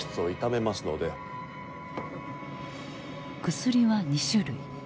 薬は２種類。